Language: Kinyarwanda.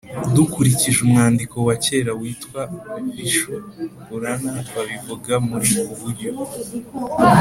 dukurikije umwandiko wa kera witwa vishnu purana, babivuga muri ubu buryo: